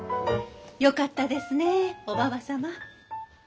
よかったですねおばば様。